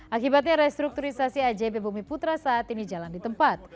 akibatnya restrukturisasi ajb bumi putra saat ini jalan di tempat